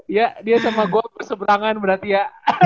iya dia sama gue keseberangan berarti ya